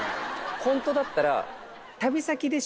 ホントだったら。